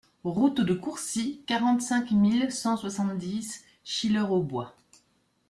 Route de Courcy, quarante-cinq mille cent soixante-dix Chilleurs-aux-Bois